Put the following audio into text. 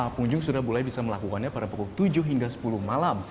pengunjung sudah mulai bisa melakukannya pada pukul tujuh hingga sepuluh malam